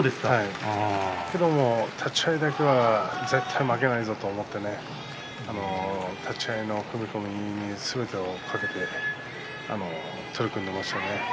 けど、立ち合いだけは絶対に負けないぞと立ち合いの踏み込みにすべてをかけて取り組んでいましたね。